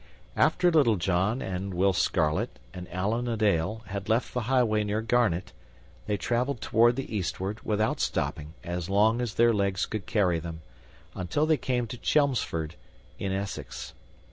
After Little John and Will Scarlet and Allan a Dale had left the highway near garnet, they traveled toward the eastward, without stopping, as long as their legs could carry them, until they came to Chelmsford, in Essex.